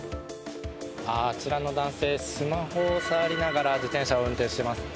あちらの男性スマホを触りながら自転車を運転しています。